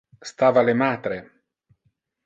Stava le matre.